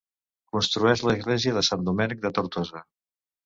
Construeix l'església de Sant Domènec de Tortosa.